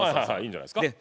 いいんじゃないですか。